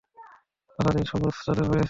তারা তাদের সবুজ চাদর পরেছে।